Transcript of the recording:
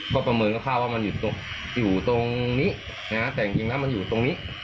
ก็ประเมินแค่ค่าว่ามันอยู่ตรงนี้แต่อย่างจริงนะมันอยู่ตรงนี้